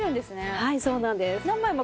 はいそうなんです。